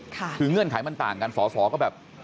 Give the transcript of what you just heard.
คือเงื่อนไขมันต่างกันสอสอก็แบบ